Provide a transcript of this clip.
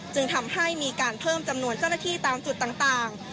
จึงทำให้มีการเพิ่มจำนวนเจ้าหน้าที่ตามจุดต่าง